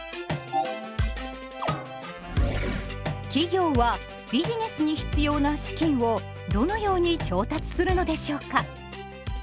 企業はビジネスに必要な資金をどのように調達するのでしょうか。